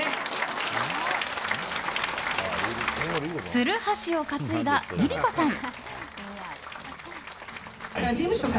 ツルハシを担いだＬｉＬｉＣｏさん。